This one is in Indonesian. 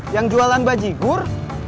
yang jualan baji gur